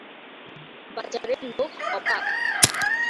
বাজারের লোক অবাক!